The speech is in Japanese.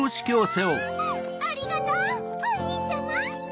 わぁありがとうおにいちゃま。